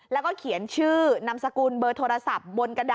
แล้วก็เขียนชื่อนามสกุลเบอร์โทรศัพท์บนกระดาษ